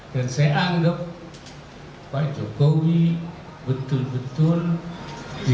dan saya anggap pak jokowi betul betul